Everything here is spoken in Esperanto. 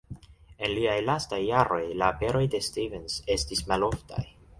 En liaj lastaj jaroj, la aperoj de Stevens estis maloftaj.